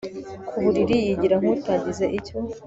kuburiri yigira nkutagize icyo